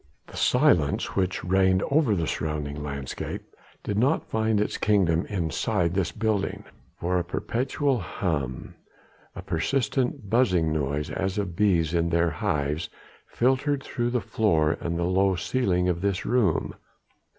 The silence which reigned over the surrounding landscape did not find its kingdom inside this building, for a perpetual hum, a persistent buzzing noise as of bees in their hives, filtrated through the floor and the low ceiling of this room.